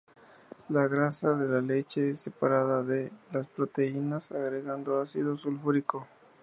La grasa de la leche es separada de las proteínas agregando ácido sulfúrico.